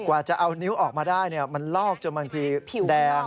อาจจะเอานิ้วออกมาได้เนี่ยมันหลอกจนมันทีแดง